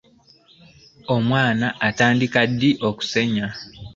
Omwana atandika ddi okusenya.